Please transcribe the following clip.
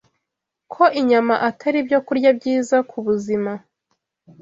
ko inyama atari ibyokurya byiza ku buzima